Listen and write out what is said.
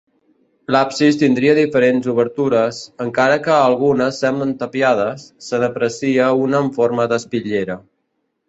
L'absis tindria diferents obertures, encara que algunes semblen tapiades, se n'aprecia una en forma d'espitllera.